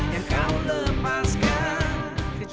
yang kau lepaskan